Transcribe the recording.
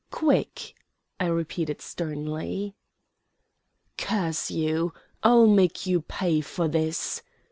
"Quick," I repeated sternly. "Curse you, I'll make you pay for this!"